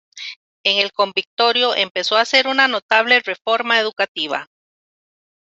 En el Convictorio empezó a hacer una notable reforma educativa.